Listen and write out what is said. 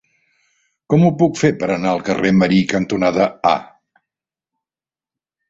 Com ho puc fer per anar al carrer Marí cantonada A?